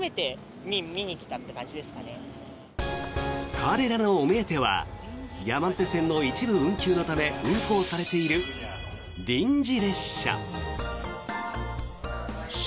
彼らのお目当ては山手線の一部運休のため運行されている臨時列車。